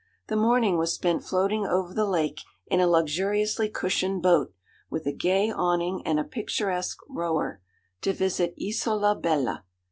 The morning was spent floating over the lake in a luxuriously cushioned boat with a gay awning and a picturesque rower, to visit Isola Bella.